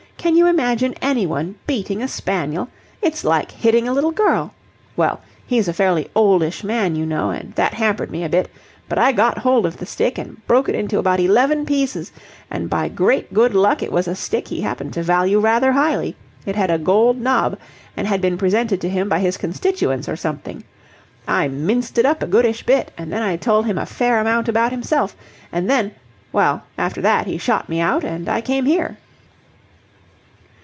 Can you imagine anyone beating a spaniel? It's like hitting a little girl. Well, he's a fairly oldish man, you know, and that hampered me a bit: but I got hold of the stick and broke it into about eleven pieces, and by great good luck it was a stick he happened to value rather highly. It had a gold knob and had been presented to him by his constituents or something. I minced it up a goodish bit, and then I told him a fair amount about himself. And then well, after that he shot me out, and I came here."